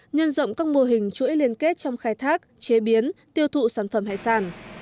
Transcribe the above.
nhân rộng các mô hình chuỗi liên kết trong khai thác chế biến tiêu thụ sản phẩm hải sản